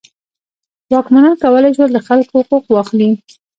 واکمنان کولی شول د خلکو حقوق واخلي.